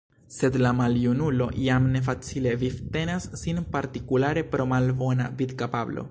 Sed la maljunulo jam ne facile vivtenas sin partikulare pro malbona vidkapablo.